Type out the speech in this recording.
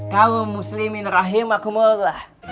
kau muslimin rahimah kumullah